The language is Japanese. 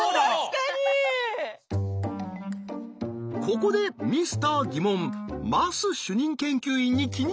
ここでミスター疑問桝主任研究員に気になることが。